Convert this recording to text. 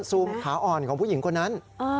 ซูมขาอ่อนของผู้หญิงคนนั้น